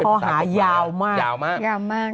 ข้อหายาวมาก